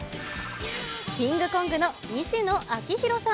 キングコングの西野亮廣さん。